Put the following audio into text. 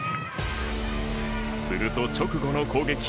すると直後の攻撃。